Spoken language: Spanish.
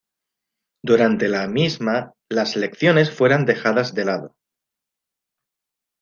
Durante la misma las lecciones fueron dejadas de lado.